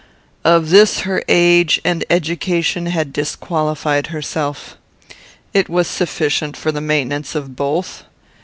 Of this her age and education had disqualified herself. It was sufficient for the maintenance of both.